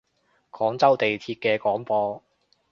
廣州地鐵嘅廣播